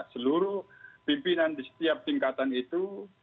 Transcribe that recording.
seluruh pimpinan di setiap tingkatan itu